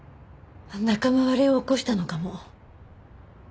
仲間割れを起こしたのかも。